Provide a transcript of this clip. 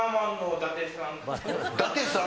伊達さん？